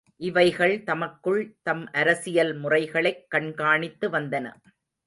இவைகள் தமக்குள் தம் அரசியல் முறைகளைக் கண்காணித்து வந்தன.